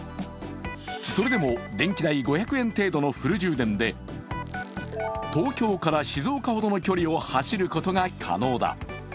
それでも、電気代５００円程度のフル充電で東京から静岡ほどの距離を走ることが可能だ。